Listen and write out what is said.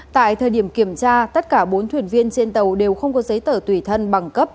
tại thời điểm kiểm tra tất cả bốn thuyền viên trên tàu đều không có giấy tờ tùy thân bằng cấp